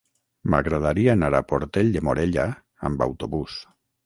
M'agradaria anar a Portell de Morella amb autobús.